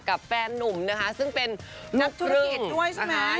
แฟนนุ่มนะคะซึ่งเป็นนักธุรกิจด้วยใช่ไหม